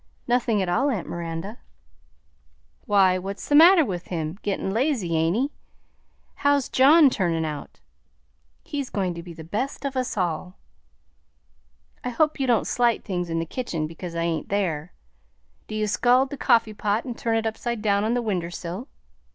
"Nothing at all, aunt Miranda." "Why, what's the matter with him? Gittin' lazy, ain't he? How 's John turnin' out?" "He's going to be the best of us all." "I hope you don't slight things in the kitchen because I ain't there. Do you scald the coffee pot and turn it upside down on the winder sill?"